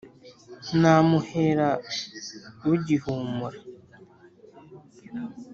namuhera bugihumura,